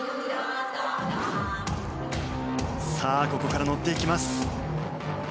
ここから乗っていきます。